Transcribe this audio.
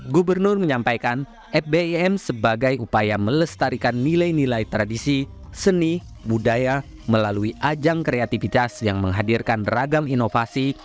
gubernur menyampaikan fbim sebagai upaya melestarikan nilai nilai tradisi seni budaya melalui ajang kreativitas yang menghadirkan ragam inovasi